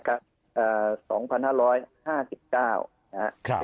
ครับ